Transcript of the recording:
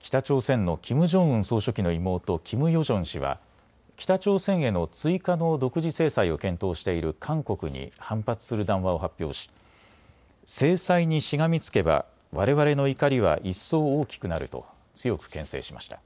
北朝鮮のキム・ジョンウン総書記の妹、キム・ヨジョン氏は北朝鮮への追加の独自制裁を検討している韓国に反発する談話を発表し制裁にしがみつけばわれわれの怒りは一層大きくなると強くけん制しました。